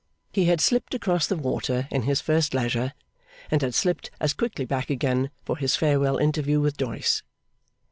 He had slipped across the water in his first leisure, and had slipped as quickly back again for his farewell interview with Doyce.